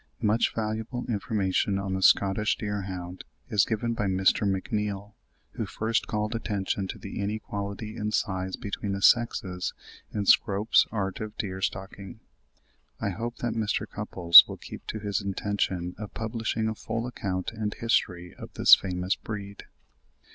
Much valuable information on the Scottish deer hound is given by Mr. McNeill, who first called attention to the inequality in size between the sexes, in Scrope's 'Art of Deer Stalking.' I hope that Mr. Cupples will keep to his intention of publishing a full account and history of this famous breed.)